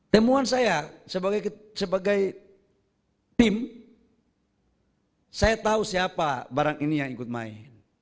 temuan saya sebagai tim saya tahu siapa barang ini yang ikut main